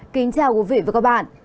kính chào quý vị và các bạn